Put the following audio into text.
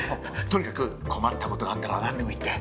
とにかく困った事があったらなんでも言って。